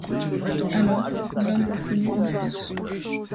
Alors, l’homme reconnut une fosse.